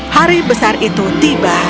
hari besar itu tiba